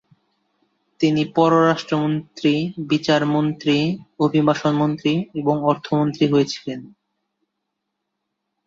তিনি পররাষ্ট্রমন্ত্রী, বিচার মন্ত্রী, অভিবাসন মন্ত্রী এবং অর্থমন্ত্রী হয়েছিলেন।